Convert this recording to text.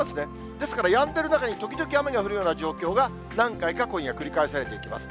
ですからやんでる中に、時々雨が降るような状況が、何回か今夜、繰り返されていきます。